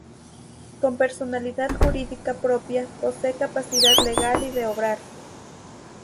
Con personalidad jurídica propia, posee capacidad legal y de obrar.